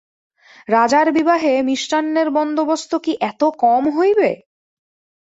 রাজার বিবাহে মিষ্টান্নের বন্দোবস্ত কি এত কম হইবে?